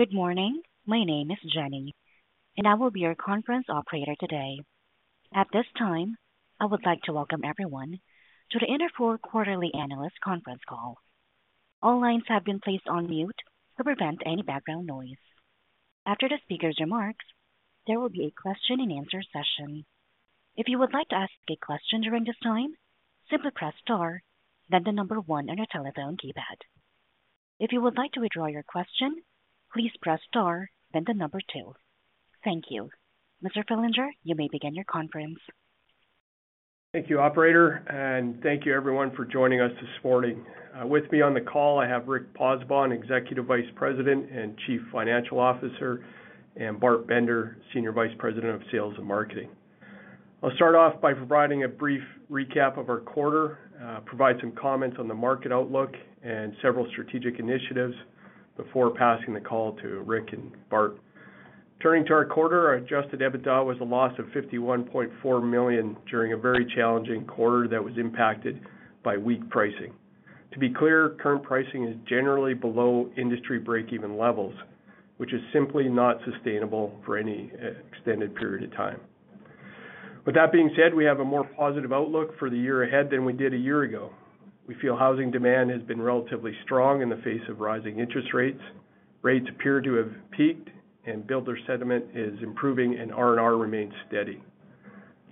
Good morning, my name is Jenny, and I will be your conference operator today. At this time, I would like to welcome everyone to the Interfor quarterly analyst conference call. All lines have been placed on mute to prevent any background noise. After the speaker's remarks, there will be a question-and-answer session. If you would like to ask a question during this time, simply press star, then the number one on your telephone keypad. If you would like to withdraw your question, please press star, then the number two. Thank you. Mr. Fillinger, you may begin your conference. Thank you, operator, and thank you everyone for joining us this morning. With me on the call I have Rick Pozzebon, Executive Vice President and Chief Financial Officer, and Bart Bender, Senior Vice President of Sales and Marketing. I'll start off by providing a brief recap of our quarter, provide some comments on the market outlook, and several strategic initiatives before passing the call to Rick and Bart. Turning to our quarter, our adjusted EBITDA was a loss of $51.4 million during a very challenging quarter that was impacted by weak pricing. To be clear, current pricing is generally below industry break-even levels, which is simply not sustainable for any extended period of time. With that being said, we have a more positive outlook for the year ahead than we did a year ago. We feel housing demand has been relatively strong in the face of rising interest rates. Rates appear to have peaked, and builder sentiment is improving and R&R remains steady.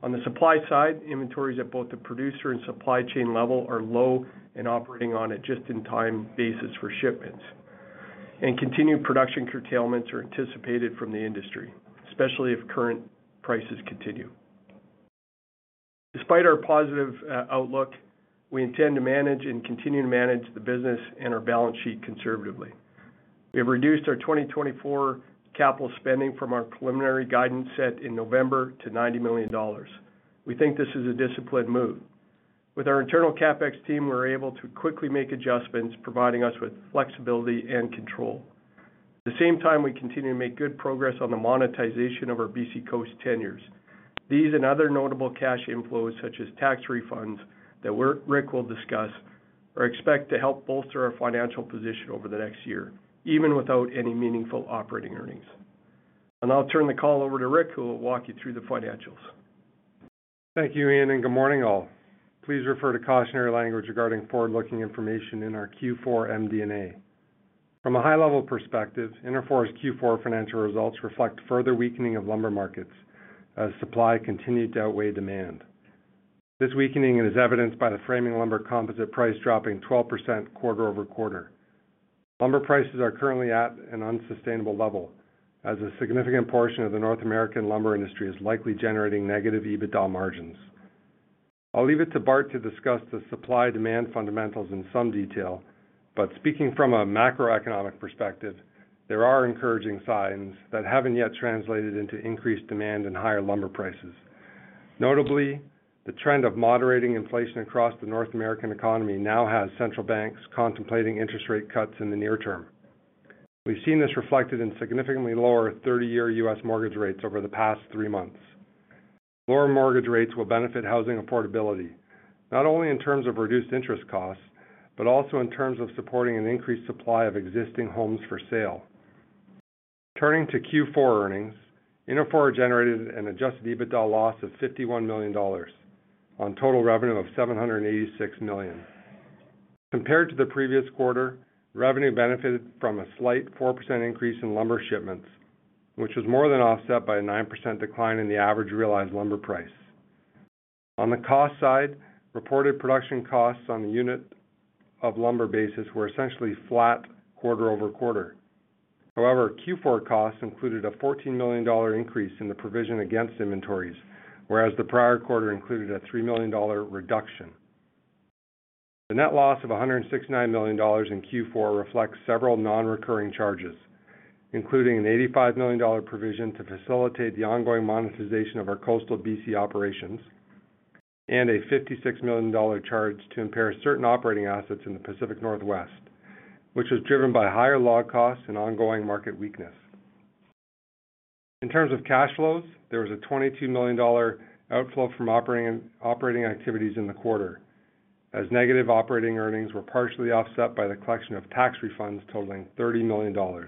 On the supply side, inventories at both the producer and supply chain level are low and operating on a just-in-time basis for shipments. Continued production curtailments are anticipated from the industry, especially if current prices continue. Despite our positive outlook, we intend to manage and continue to manage the business and our balance sheet conservatively. We have reduced our 2024 capital spending from our preliminary guidance set in November to $90 million. We think this is a disciplined move. With our internal CapEx team, we're able to quickly make adjustments, providing us with flexibility and control. At the same time, we continue to make good progress on the monetization of our B.C. Coast tenures. These and other notable cash inflows, such as tax refunds that Rick will discuss, are expected to help bolster our financial position over the next year, even without any meaningful operating earnings. I'll turn the call over to Rick, who will walk you through the financials. Thank you, Ian, and good morning, all. Please refer to cautionary language regarding forward-looking information in our Q4 MD&A. From a high-level perspective, Interfor's Q4 financial results reflect further weakening of lumber markets as supply continued to outweigh demand. This weakening is evidenced by the Framing Lumber Composite price dropping 12% quarter-over-quarter. Lumber prices are currently at an unsustainable level, as a significant portion of the North American lumber industry is likely generating negative EBITDA margins. I'll leave it to Bart to discuss the supply-demand fundamentals in some detail, but speaking from a macroeconomic perspective, there are encouraging signs that haven't yet translated into increased demand and higher lumber prices. Notably, the trend of moderating inflation across the North American economy now has central banks contemplating interest rate cuts in the near term. We've seen this reflected in significantly lower 30-year U.S. mortgage rates over the past three months. Lower mortgage rates will benefit housing affordability, not only in terms of reduced interest costs but also in terms of supporting an increased supply of existing homes for sale. Turning to Q4 earnings, Interfor generated an adjusted EBITDA loss of $51 million on total revenue of $786 million. Compared to the previous quarter, revenue benefited from a slight 4% increase in lumber shipments, which was more than offset by a 9% decline in the average realized lumber price. On the cost side, reported production costs on the unit of lumber basis were essentially flat quarter-over-quarter. However, Q4 costs included a $14 million increase in the provision against inventories, whereas the prior quarter included a $3 million reduction. The net loss of $169 million in Q4 reflects several non-recurring charges, including an $85 million provision to facilitate the ongoing monetization of our coastal BC operations and a $56 million charge to impair certain operating assets in the Pacific Northwest, which was driven by higher log costs and ongoing market weakness. In terms of cash flows, there was a $22 million outflow from operating activities in the quarter, as negative operating earnings were partially offset by the collection of tax refunds totaling $30 million.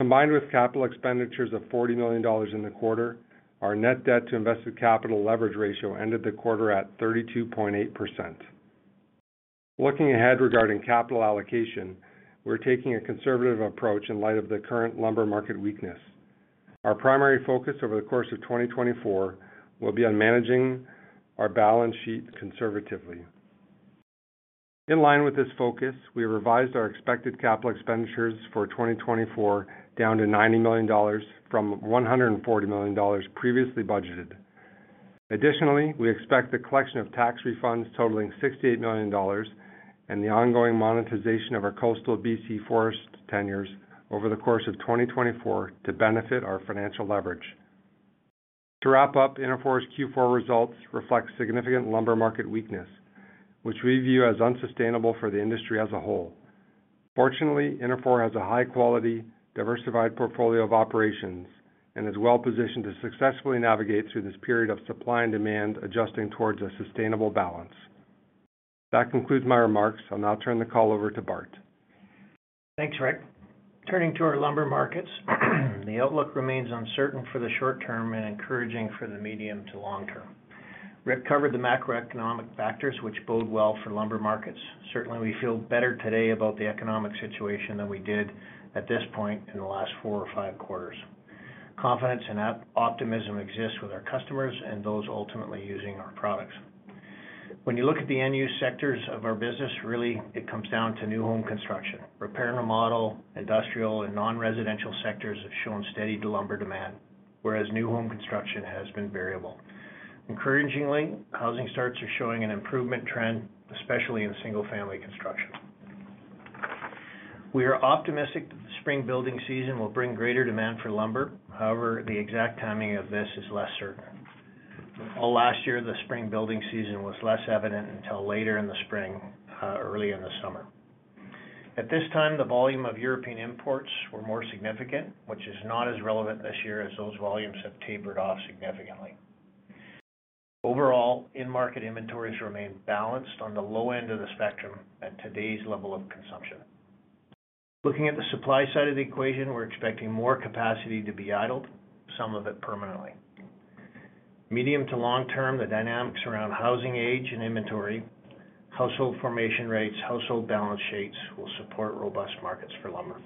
Combined with capital expenditures of $40 million in the quarter, our net debt-to-invested capital leverage ratio ended the quarter at 32.8%. Looking ahead regarding capital allocation, we're taking a conservative approach in light of the current lumber market weakness. Our primary focus over the course of 2024 will be on managing our balance sheet conservatively. In line with this focus, we have revised our expected capital expenditures for 2024 down to $90 million from $140 million previously budgeted. Additionally, we expect the collection of tax refunds totaling $68 million and the ongoing monetization of our coastal BC forest tenures over the course of 2024 to benefit our financial leverage. To wrap up, Interfor's Q4 results reflect significant lumber market weakness, which we view as unsustainable for the industry as a whole. Fortunately, Interfor has a high-quality, diversified portfolio of operations and is well-positioned to successfully navigate through this period of supply and demand adjusting towards a sustainable balance. That concludes my remarks. I'll now turn the call over to Bart. Thanks, Rick. Turning to our lumber markets, the outlook remains uncertain for the short term and encouraging for the medium to long term. Rick covered the macroeconomic factors, which bode well for lumber markets. Certainly, we feel better today about the economic situation than we did at this point in the last four or five quarters. Confidence and optimism exist with our customers and those ultimately using our products. When you look at the end-use sectors of our business, really, it comes down to new home construction. Repair and remodel, industrial, and non-residential sectors have shown steady lumber demand, whereas new home construction has been variable. Encouragingly, housing starts are showing an improvement trend, especially in single-family construction. We are optimistic that the spring building season will bring greater demand for lumber. However, the exact timing of this is less certain. All last year, the spring building season was less evident until later in the spring, early in the summer. At this time, the volume of European imports were more significant, which is not as relevant this year as those volumes have tapered off significantly. Overall, in-market inventories remain balanced on the low end of the spectrum at today's level of consumption. Looking at the supply side of the equation, we're expecting more capacity to be idled, some of it permanently. Medium- to long-term, the dynamics around housing age and inventory, household formation rates, household balance sheets will support robust markets for lumber.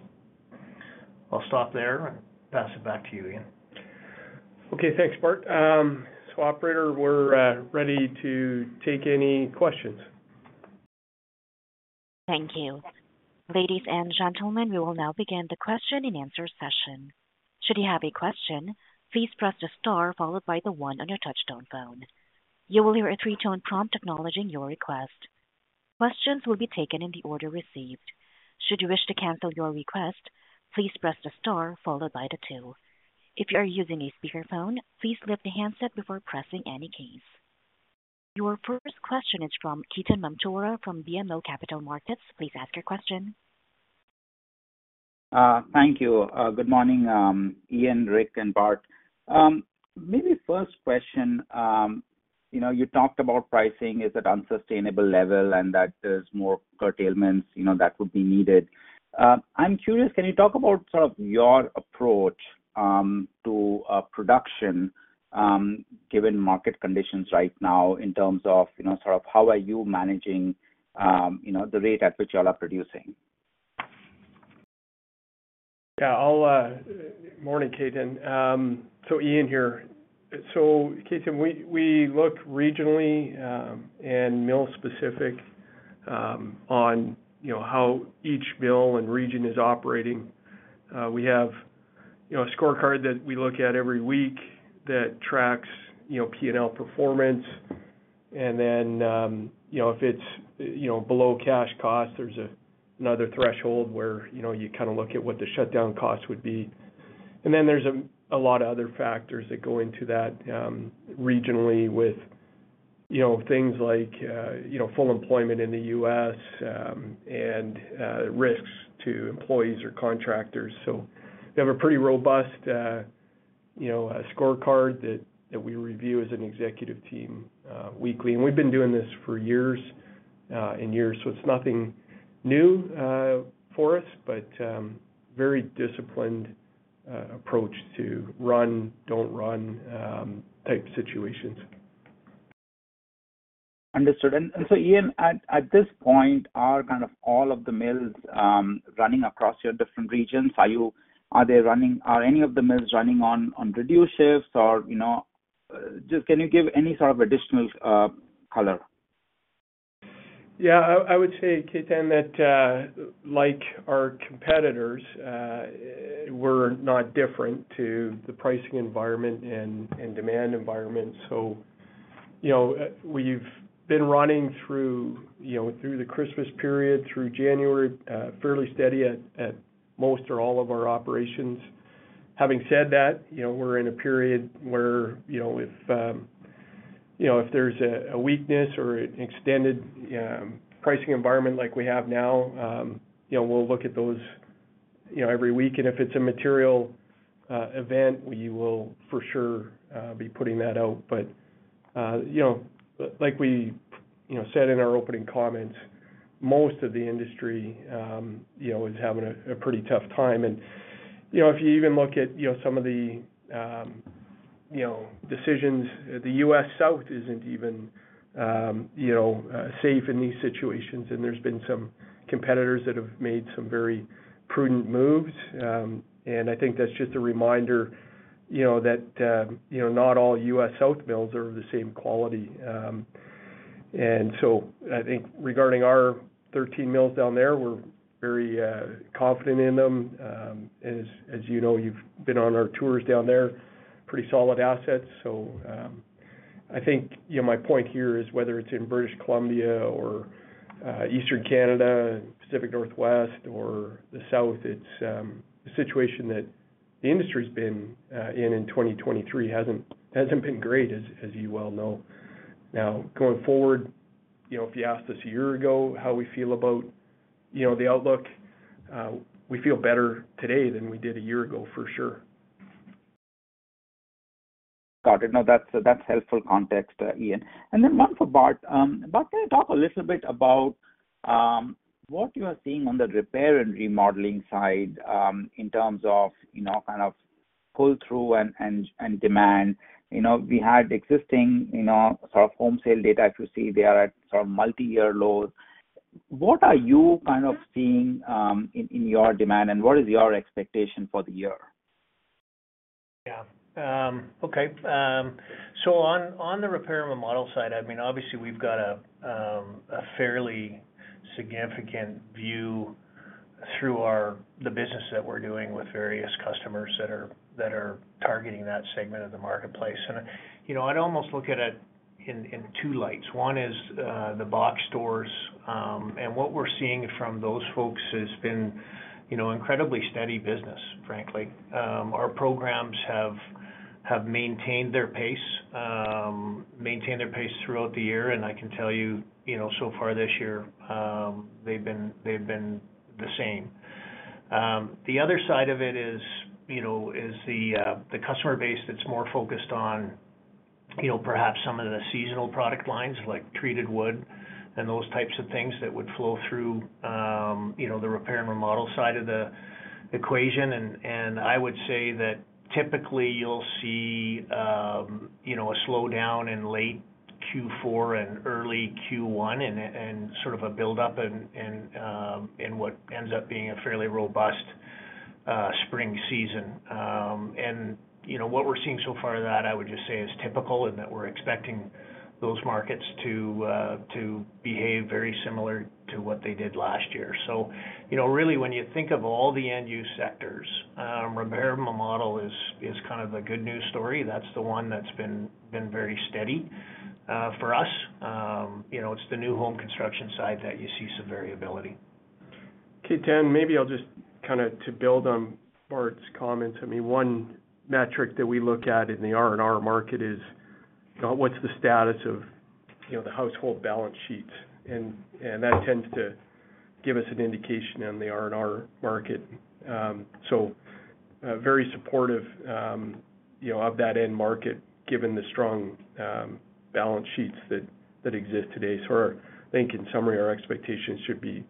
I'll stop there and pass it back to you, Ian. Okay, thanks, Bart. So, operator, we're ready to take any questions. Thank you. Ladies and gentlemen, we will now begin the question-and-answer session. Should you have a question, please press the star followed by the one on your touch-tone phone. You will hear a three-tone prompt acknowledging your request. Questions will be taken in the order received. Should you wish to cancel your request, please press the star followed by the two. If you are using a speakerphone, please lift the handset before pressing any keys. Your first question is from Ketan Mamtora from BMO Capital Markets. Please ask your question. Thank you. Good morning, Ian, Rick, and Bart. Maybe first question, you talked about pricing is at an unsustainable level and that there's more curtailments that would be needed. I'm curious, can you talk about sort of your approach to production given market conditions right now in terms of sort of how are you managing the rate at which you all are producing? Yeah, morning, Ketan. So, Ian here. So, Ketan, we look regionally and mill-specific on how each mill and region is operating. We have a scorecard that we look at every week that tracks P&L performance. And then if it's below cash cost, there's another threshold where you kind of look at what the shutdown cost would be. And then there's a lot of other factors that go into that regionally with things like full employment in the U.S. and risks to employees or contractors. So we have a pretty robust scorecard that we review as an executive team weekly. And we've been doing this for years and years, so it's nothing new for us, but a very disciplined approach to run, don't run type situations. Understood. And so, Ian, at this point, are kind of all of the mills running across your different regions? Are they running? Are any of the mills running on reduced shifts, or just can you give any sort of additional color? Yeah, I would say, Ketan, that like our competitors, we're not different to the pricing environment and demand environment. So we've been running through the Christmas period, through January, fairly steady at most or all of our operations. Having said that, we're in a period where if there's a weakness or an extended pricing environment like we have now, we'll look at those every week. And if it's a material event, we will for sure be putting that out. But like we said in our opening comments, most of the industry is having a pretty tough time. And if you even look at some of the decisions, the U.S. South isn't even safe in these situations. And there's been some competitors that have made some very prudent moves. And I think that's just a reminder that not all U.S. South mills are of the same quality. And so I think regarding our 13 mills down there, we're very confident in them. And as you know, you've been on our tours down there, pretty solid assets. So I think my point here is whether it's in British Columbia or Eastern Canada, Pacific Northwest, or the South, it's a situation that the industry's been in in 2023 hasn't been great, as you well know. Now, going forward, if you asked us a year ago how we feel about the outlook, we feel better today than we did a year ago, for sure. Got it. No, that's helpful context, Ian. And then one for Bart. Bart, can you talk a little bit about what you are seeing on the repair and remodeling side in terms of kind of pull-through and demand? We had existing sort of home sale data, as you see, they are at sort of multi-year lows. What are you kind of seeing in your demand, and what is your expectation for the year? Yeah. Okay. So on the repair and remodel side, I mean, obviously, we've got a fairly significant view through the business that we're doing with various customers that are targeting that segment of the marketplace. And I'd almost look at it in two lights. One is the box stores. And what we're seeing from those folks has been incredibly steady business, frankly. Our programs have maintained their pace, maintained their pace throughout the year. And I can tell you, so far this year, they've been the same. The other side of it is the customer base that's more focused on perhaps some of the seasonal product lines like treated wood and those types of things that would flow through the repair and remodel side of the equation. And I would say that typically, you'll see a slowdown in late Q4 and early Q1 and sort of a buildup in what ends up being a fairly robust spring season. And what we're seeing so far of that, I would just say, is typical in that we're expecting those markets to behave very similar to what they did last year. So really, when you think of all the end-use sectors, repair and remodel is kind of the good news story. That's the one that's been very steady for us. It's the new home construction side that you see some variability. Ketan, maybe I'll just kind of to build on Bart's comments, I mean, one metric that we look at in the R&R market is what's the status of the household balance sheets. That tends to give us an indication on the R&R market. Very supportive of that end market given the strong balance sheets that exist today. So I think, in summary, our expectations should be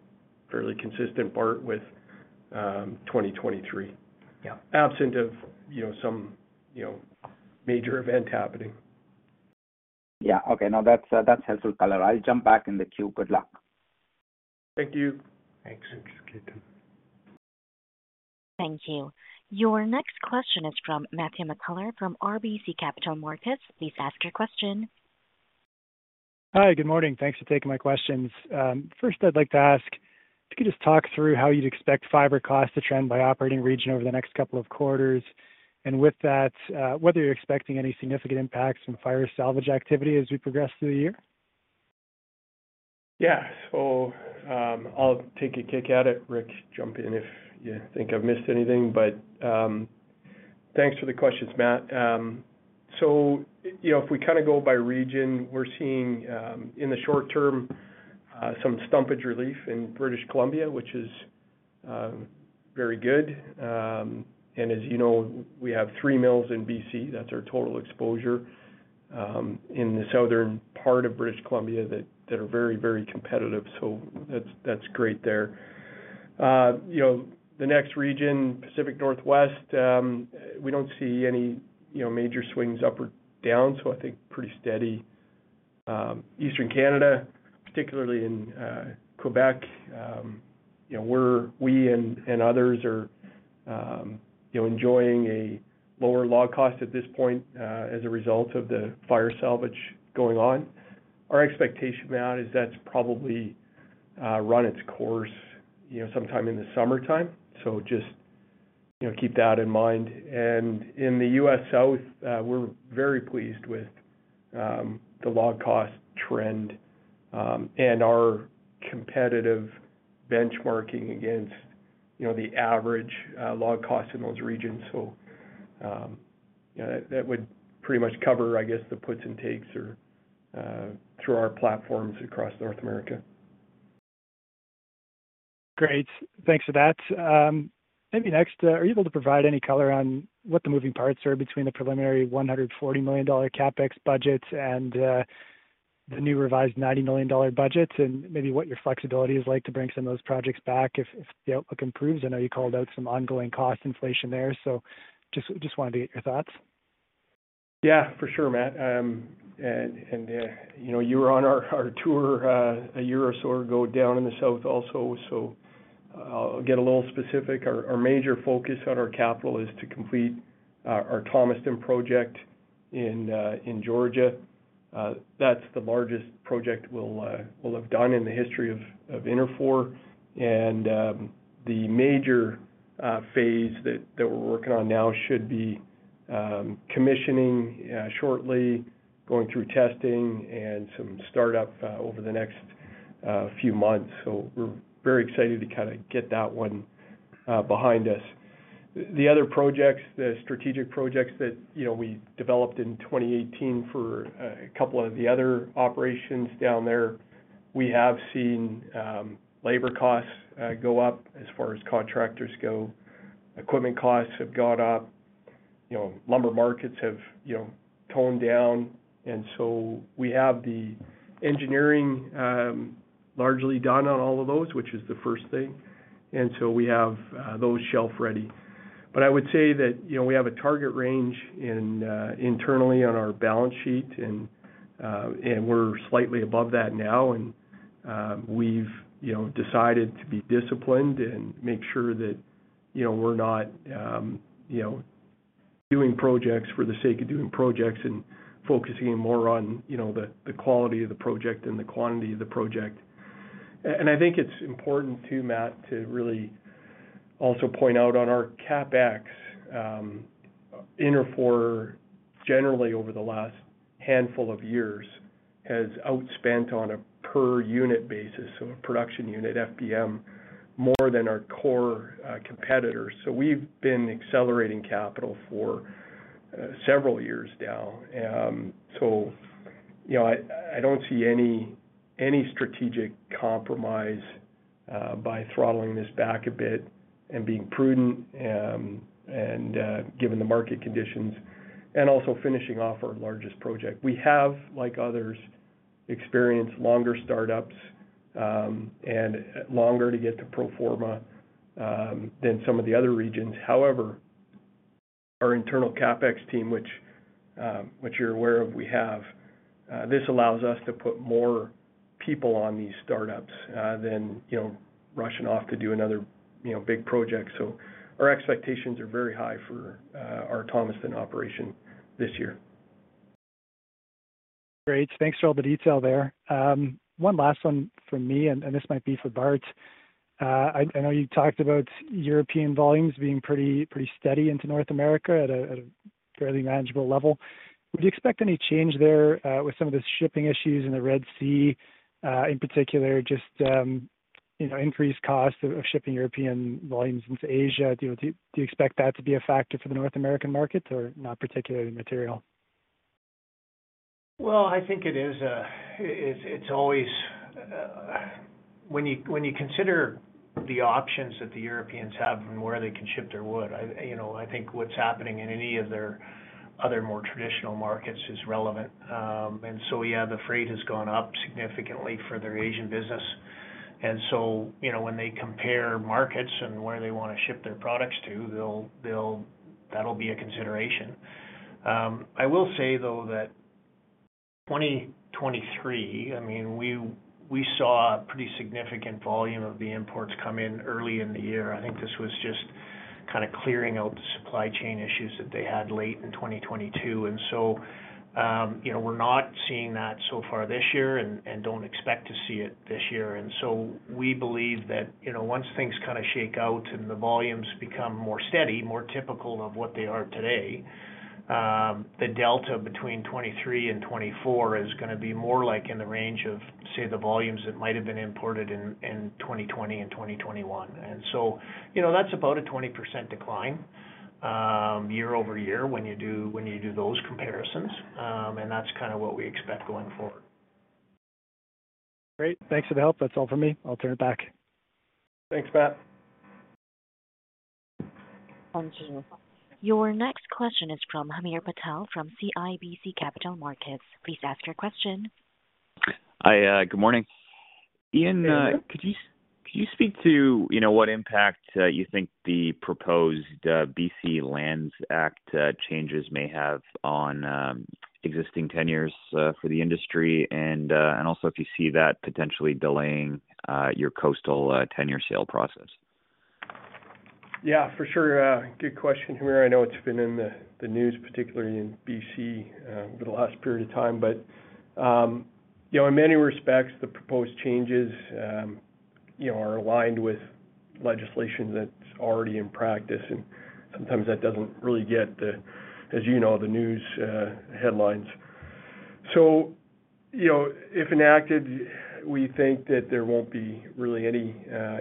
fairly consistent, Bart, with 2023, absent of some major event happening. Yeah. Okay. No, that's helpful color. I'll jump back in the queue. Good luck. Thank you. Thanks, Ketan. Thank you. Your next question is from Matthew McKellar from RBC Capital Markets. Please ask your question. Hi. Good morning. Thanks for taking my questions. First, I'd like to ask, if you could just talk through how you'd expect fiber costs to trend by operating region over the next couple of quarters, and with that, whether you're expecting any significant impacts from fire salvage activity as we progress through the year? Yeah. So I'll take a kick at it. Rick, jump in if you think I've missed anything. But thanks for the questions, Matt. So if we kind of go by region, we're seeing, in the short term, some stumpage relief in British Columbia, which is very good. And as you know, we have 3 mills in BC. That's our total exposure in the southern part of British Columbia that are very, very competitive. So that's great there. The next region, Pacific Northwest, we don't see any major swings up or down, so I think pretty steady. Eastern Canada, particularly in Quebec, we and others are enjoying a lower log cost at this point as a result of the fire salvage going on. Our expectation, Matt, is that's probably run its course sometime in the summertime. So just keep that in mind. And in the U.S. South, we're very pleased with the log cost trend and our competitive benchmarking against the average log cost in those regions. So that would pretty much cover, I guess, the puts and takes through our platforms across North America. Great. Thanks for that. Maybe next, are you able to provide any color on what the moving parts are between the preliminary $140 million CapEx budget and the new revised $90 million budget and maybe what your flexibility is like to bring some of those projects back if the outlook improves? I know you called out some ongoing cost inflation there. So just wanted to get your thoughts. Yeah, for sure, Matt. And you were on our tour a year or so ago down in the South also. So I'll get a little specific. Our major focus on our capital is to complete our Thomaston project in Georgia. That's the largest project we'll have done in the history of Interfor. And the major phase that we're working on now should be commissioning shortly, going through testing, and some startup over the next few months. So we're very excited to kind of get that one behind us. The other projects, the strategic projects that we developed in 2018 for a couple of the other operations down there, we have seen labor costs go up as far as contractors go. Equipment costs have gone up. Lumber markets have toned down. And so we have the engineering largely done on all of those, which is the first thing. We have those shelf-ready. But I would say that we have a target range internally on our balance sheet, and we're slightly above that now. We've decided to be disciplined and make sure that we're not doing projects for the sake of doing projects and focusing more on the quality of the project and the quantity of the project. I think it's important too, Matt, to really also point out on our CapEx, Interfor generally over the last handful of years has outspent on a per-unit basis, so a production unit, FBM, more than our core competitors. We've been accelerating capital for several years now. I don't see any strategic compromise by throttling this back a bit and being prudent given the market conditions and also finishing off our largest project. We have, like others, experienced longer startups and longer to get to pro forma than some of the other regions. However, our internal CapEx team, which you're aware of, this allows us to put more people on these startups than rushing off to do another big project. So our expectations are very high for our Thomaston operation this year. Great. Thanks for all the detail there. One last one from me, and this might be for Bart. I know you talked about European volumes being pretty steady into North America at a fairly manageable level. Would you expect any change there with some of the shipping issues in the Red Sea, in particular, just increased cost of shipping European volumes into Asia? Do you expect that to be a factor for the North American market or not particularly material? Well, I think it's always when you consider the options that the Europeans have and where they can ship their wood. I think what's happening in any of their other more traditional markets is relevant. And so, yeah, the freight has gone up significantly for their Asian business. And so when they compare markets and where they want to ship their products to, that'll be a consideration. I will say, though, that 2023, I mean, we saw a pretty significant volume of the imports come in early in the year. I think this was just kind of clearing out the supply chain issues that they had late in 2022. And so we're not seeing that so far this year and don't expect to see it this year. We believe that once things kind of shake out and the volumes become more steady, more typical of what they are today, the delta between 2023 and 2024 is going to be more like in the range of, say, the volumes that might have been imported in 2020 and 2021. That's about a 20% decline year-over-year when you do those comparisons. That's kind of what we expect going forward. Great. Thanks for the help. That's all from me. I'll turn it back. Thanks, Matt. Thank you. Your next question is from Hamir Patel from CIBC Capital Markets. Please ask your question. Hi. Good morning. Ian, could you speak to what impact you think the proposed B.C. Lands Act changes may have on existing tenures for the industry and also if you see that potentially delaying your coastal tenure sale process? Yeah, for sure. Good question, Hamir. I know it's been in the news, particularly in BC, over the last period of time. But in many respects, the proposed changes are aligned with legislation that's already in practice. And sometimes that doesn't really get the, as you know, the news headlines. So if enacted, we think that there won't be really any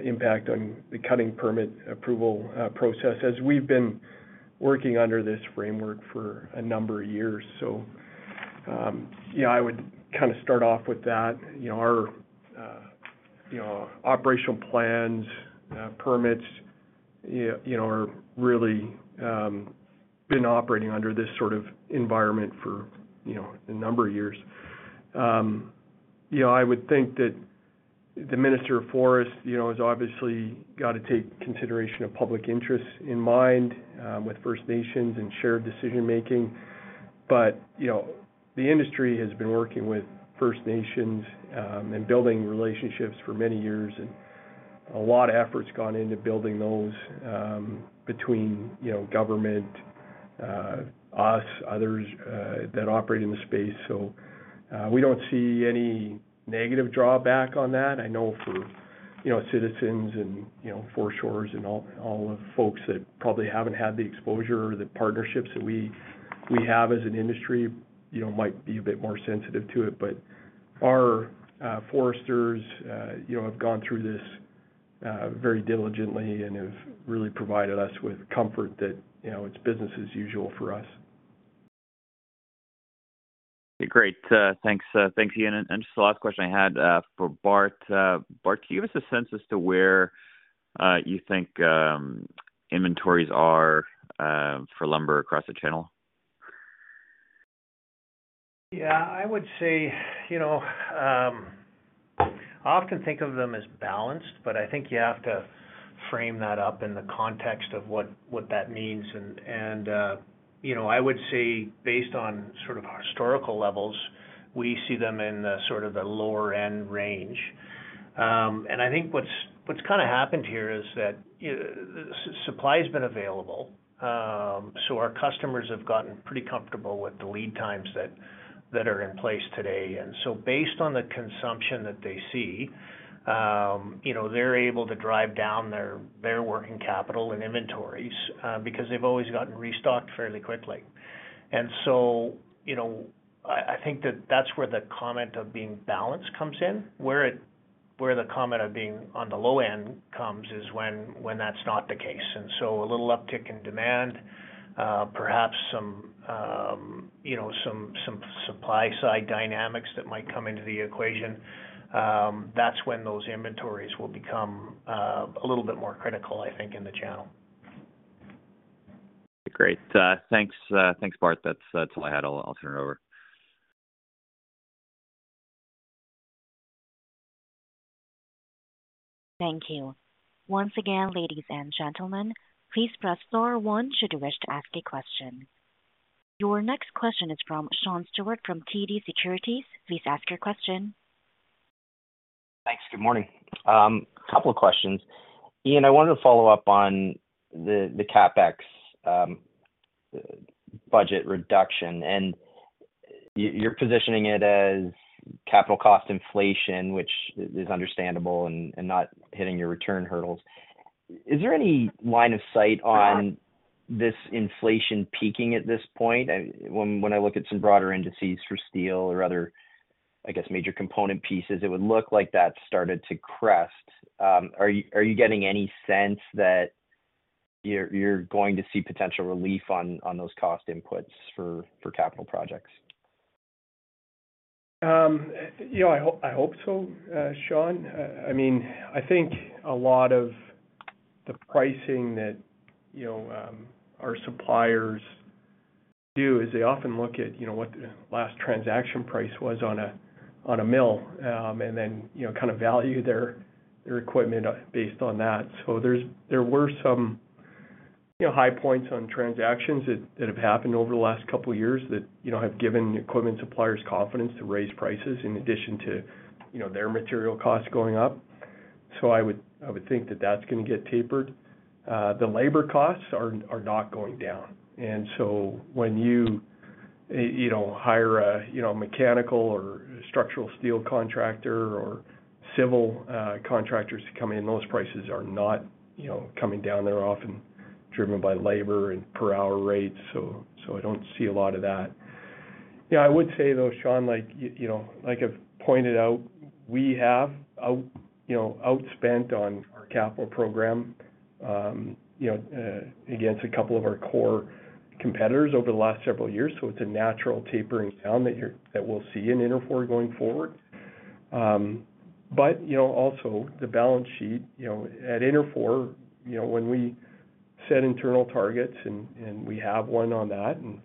impact on the cutting permit approval process as we've been working under this framework for a number of years. So I would kind of start off with that. Our operational plans, permits, are really been operating under this sort of environment for a number of years. I would think that the Minister of Forests has obviously got to take consideration of public interest in mind with First Nations and shared decision-making. But the industry has been working with First Nations and building relationships for many years. A lot of effort's gone into building those between government, us, others that operate in the space. We don't see any negative drawback on that. I know, for citizens and foreshores and all the folks that probably haven't had the exposure or the partnerships that we have as an industry, might be a bit more sensitive to it. Our foresters have gone through this very diligently and have really provided us with comfort that it's business as usual for us. Great. Thanks, Ian. Just the last question I had for Bart. Bart, can you give us a sense as to where you think inventories are for lumber across the channel? Yeah. I would say I often think of them as balanced, but I think you have to frame that up in the context of what that means. I would say, based on sort of historical levels, we see them in sort of the lower-end range. I think what's kind of happened here is that supply has been available. Our customers have gotten pretty comfortable with the lead times that are in place today. Based on the consumption that they see, they're able to drive down their working capital and inventories because they've always gotten restocked fairly quickly. I think that that's where the comment of being balanced comes in. Where the comment of being on the low end comes is when that's not the case. And so a little uptick in demand, perhaps some supply-side dynamics that might come into the equation, that's when those inventories will become a little bit more critical, I think, in the channel. Great. Thanks, Bart. That's all I had. I'll turn it over. Thank you. Once again, ladies and gentlemen, please press star one should you wish to ask a question. Your next question is from Sean Steuart from TD Securities. Please ask your question. Thanks. Good morning. A couple of questions. Ian, I wanted to follow up on the CapEx budget reduction. And you're positioning it as capital cost inflation, which is understandable and not hitting your return hurdles. Is there any line of sight on this inflation peaking at this point? When I look at some broader indices for steel or other, I guess, major component pieces, it would look like that started to crest. Are you getting any sense that you're going to see potential relief on those cost inputs for capital projects? I hope so, Sean. I mean, I think a lot of the pricing that our suppliers do is they often look at what the last transaction price was on a mill and then kind of value their equipment based on that. So there were some high points on transactions that have happened over the last couple of years that have given equipment suppliers confidence to raise prices in addition to their material costs going up. So I would think that that's going to get tapered. The labor costs are not going down. And so when you hire a mechanical or structural steel contractor or civil contractors to come in, those prices are not coming down. They're often driven by labor and per-hour rates. So I don't see a lot of that. Yeah, I would say, though, Sean, like I've pointed out, we have outspent on our capital program against a couple of our core competitors over the last several years. So it's a natural tapering down that we'll see in Interfor going forward. But also, the balance sheet at Interfor, when we set internal targets and we have one on that, and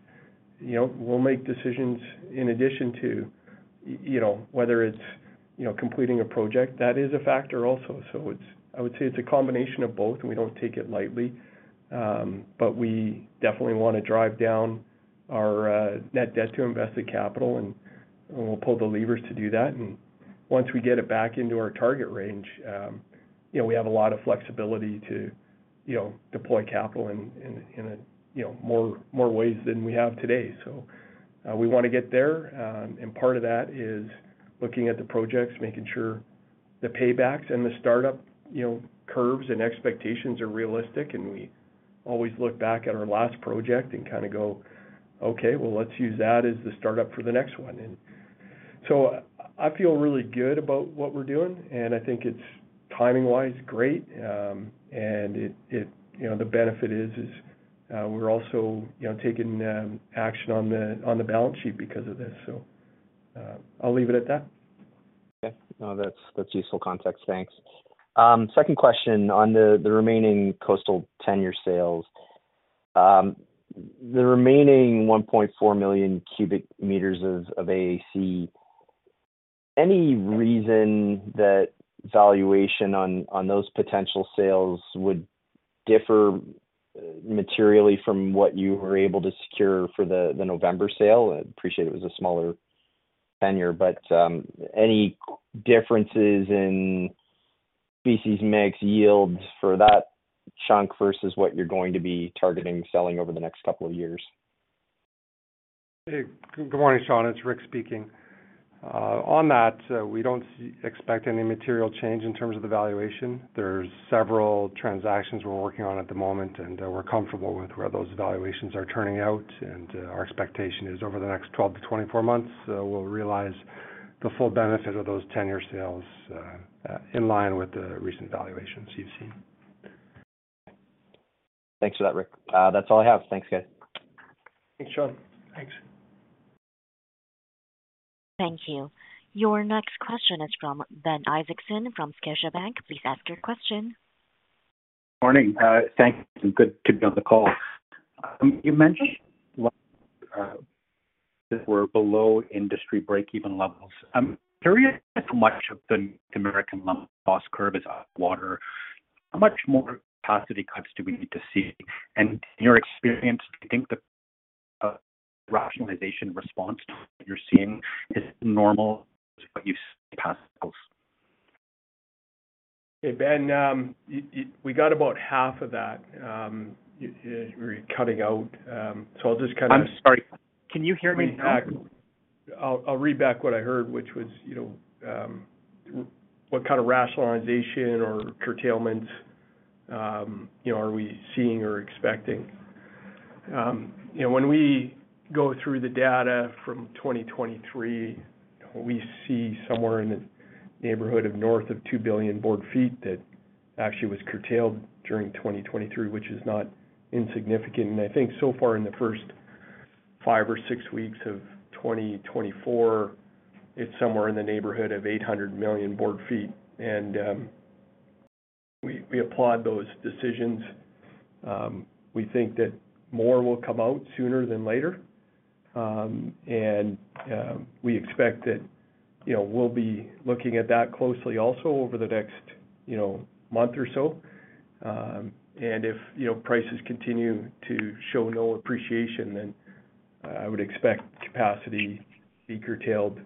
we'll make decisions in addition to whether it's completing a project, that is a factor also. So I would say it's a combination of both, and we don't take it lightly. But we definitely want to drive down our net debt to invested capital, and we'll pull the levers to do that. And once we get it back into our target range, we have a lot of flexibility to deploy capital in more ways than we have today. So we want to get there. And part of that is looking at the projects, making sure the paybacks and the startup curves and expectations are realistic. And we always look back at our last project and kind of go, "Okay, well, let's use that as the startup for the next one." And so I feel really good about what we're doing. And the benefit is we're also taking action on the balance sheet because of this. So I'll leave it at that. Okay. No, that's useful context. Thanks. Second question on the remaining coastal tenure sales, the remaining 1.4 million cubic meters of AAC, any reason that valuation on those potential sales would differ materially from what you were able to secure for the November sale? I appreciate it was a smaller tenure, but any differences in species mix, yields for that chunk versus what you're going to be targeting selling over the next couple of years? Hey, good morning, Sean. It's Rick speaking. On that, we don't expect any material change in terms of the valuation. There's several transactions we're working on at the moment, and we're comfortable with where those valuations are turning out. Our expectation is over the next 12 months-24 months, we'll realize the full benefit of those tenure sales in line with the recent valuations you've seen. Thanks for that, Rick. That's all I have. Thanks, guys. Thanks, Sean. Thanks. Thank you. Your next question is from Ben Isaacson from Scotiabank. Please ask your question. Good morning. Thanks. I'm good to be on the call. You mentioned that we're below industry breakeven levels. I'm curious how much of the American lumber cost curve is out of water. How much more capacity cuts do we need to see? And in your experience, do you think the rationalization response you're seeing is normal to what you've seen past falls? Hey, Ben, we got about half of that. We're cutting out. So I'll just kind of. I'm sorry. Can you hear me now? I'll read back what I heard, which was what kind of rationalization or curtailments are we seeing or expecting? When we go through the data from 2023, we see somewhere in the neighborhood of north of 2 billion board feet that actually was curtailed during 2023, which is not insignificant. I think so far in the first five or six weeks of 2024, it's somewhere in the neighborhood of 800 million board feet. We applaud those decisions. We think that more will come out sooner than later. We expect that we'll be looking at that closely also over the next month or so. If prices continue to show no appreciation, then I would expect capacity to be curtailed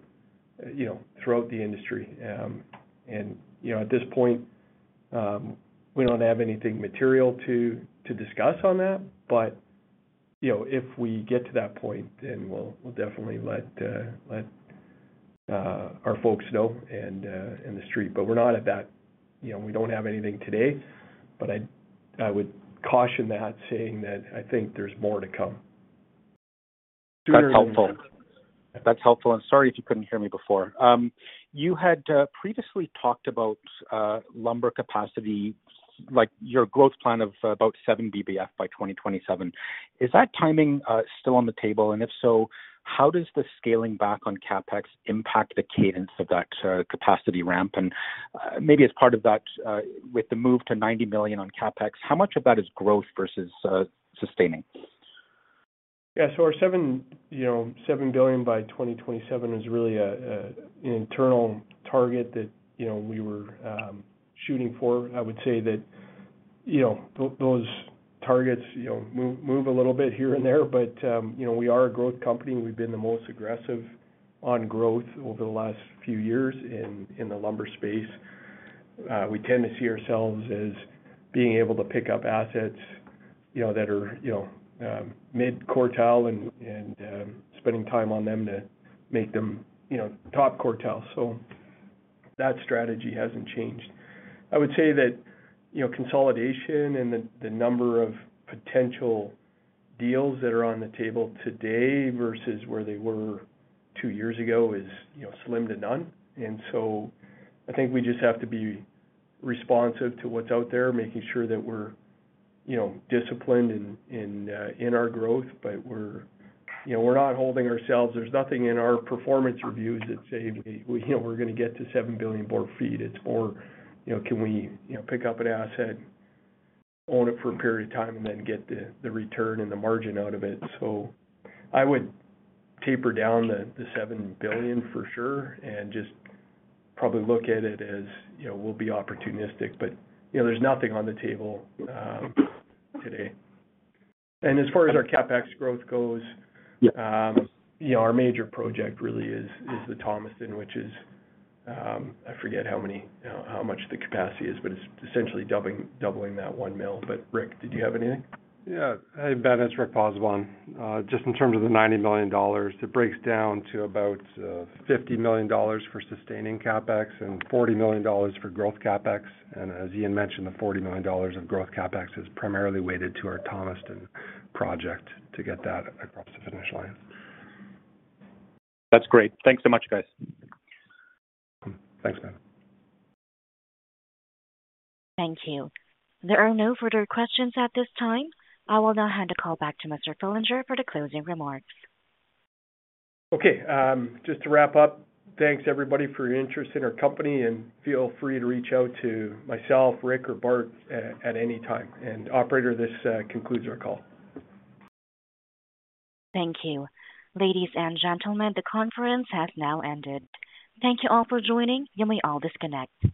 throughout the industry. At this point, we don't have anything material to discuss on that. But if we get to that point, then we'll definitely let our folks know and the street. But we're not at that. We don't have anything today. But I would caution that, saying that I think there's more to come. Sooner than later. That's helpful. That's helpful. And sorry if you couldn't hear me before. You had previously talked about lumber capacity, your growth plan of about seven BBF by 2027. Is that timing still on the table? And if so, how does the scaling back on CapEx impact the cadence of that capacity ramp? And maybe as part of that, with the move to $90 million on CapEx, how much of that is growth versus sustaining? Yeah. So our 7 billion by 2027 is really an internal target that we were shooting for. I would say that those targets move a little bit here and there, but we are a growth company. We've been the most aggressive on growth over the last few years in the lumber space. We tend to see ourselves as being able to pick up assets that are mid-quartile and spending time on them to make them top-quartile. So that strategy hasn't changed. I would say that consolidation and the number of potential deals that are on the table today versus where they were two years ago is slim to none. And so I think we just have to be responsive to what's out there, making sure that we're disciplined in our growth. But we're not holding ourselves. There's nothing in our performance reviews that say we're going to get to 7 billion board feet. It's more, can we pick up an asset, own it for a period of time, and then get the return and the margin out of it? So I would taper down the $7 billion for sure and just probably look at it as we'll be opportunistic. But there's nothing on the table today. And as far as our CapEx growth goes, our major project really is the Thomaston, which is I forget how much the capacity is, but it's essentially doubling that one mill. But Rick, did you have anything? Yeah. Hey, Ben, it's Rick Pozzebon. Just in terms of the $90 million, it breaks down to about $50 million for sustaining CapEx and $40 million for growth CapEx. And as Ian mentioned, the $40 million of growth CapEx is primarily weighted to our Thomaston project to get that across the finish line. That's great. Thanks so much, guys. Thanks, Ben. Thank you. There are no further questions at this time. I will now hand the call back to Mr. Fillinger for the closing remarks. Okay. Just to wrap up, thanks, everybody, for your interest in our company. Feel free to reach out to myself, Rick, or Bart at any time. Operator, this concludes our call. Thank you. Ladies and gentlemen, the conference has now ended. Thank you all for joining. You may all disconnect.